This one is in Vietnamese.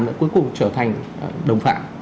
đã cuối cùng trở thành đồng phạm